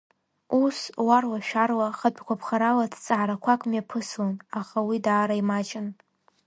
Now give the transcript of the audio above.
Ус, уарла-шәарла, хатәгәаԥхарала ҭҵаарақәак мҩаԥыслон, аха уи даара имаҷын.